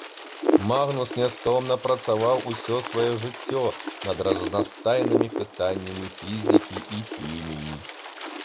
Магнус нястомна працаваў усё сваё жыццё над разнастайнымі пытаннямі фізікі і хіміі.